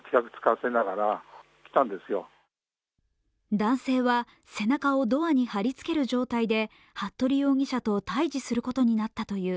男性は背中をドアに張り付ける状態で服部容疑者と対峙することになったという。